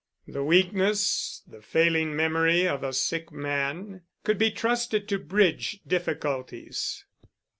The weakness, the failing memory of a sick man, could be trusted to bridge difficulties.